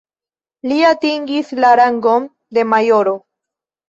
Li atingis la rangon de majoro.